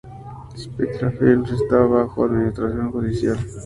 Spectra Films está bajo administración judicial.